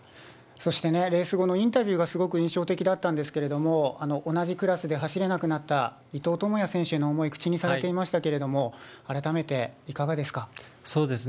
そして、レース後のインタビューがすごく印象的だったんですけれども、同じクラスで走れなくなった伊藤智也選手への思い、口にされていましたけど、改めていかがですか。